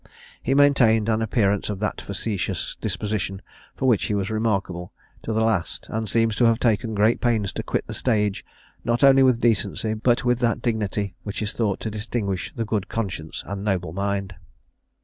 He maintained an appearance of that facetious disposition for which he was remarkable, to the last; and seems to have taken great pains to quit the stage, not only with decency, but with that dignity which is thought to distinguish the good conscience and the noble mind.